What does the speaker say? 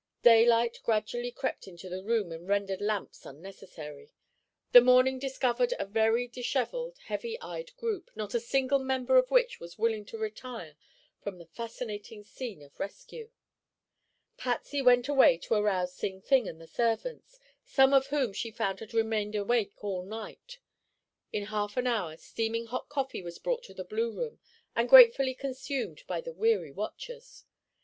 Daylight gradually crept into the room and rendered lamps unnecessary. The morning discovered a very disheveled, heavy eyed group, not a single member of which was willing to retire from the fascinating scene of rescue. Patsy went away to arouse Sing Fing and the servants, some of whom she found had remained awake all night. In half an hour steaming hot coffee was brought to the blue room and gratefully consumed by the weary watchers.